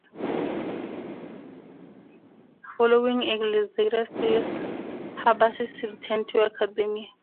Following Elixir Studios, Hassabis returned to academia.